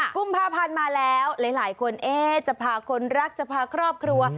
กุมภาพันธ์มาแล้วหลายคนจะพาคนรักจะพาครอบครัว